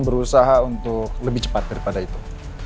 berusaha untuk lebih cepat daripada itu